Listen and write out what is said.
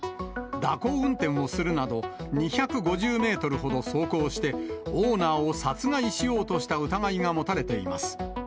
蛇行運転をするなど、２５０メートルほど走行して、オーナーを殺害しようとした疑いが持たれています。